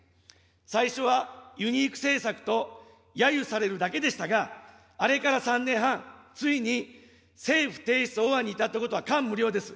最初はユニーク政策とやゆされるだけでしたが、あれから３年半、ついに政府提出法案に至ったことは感無量です。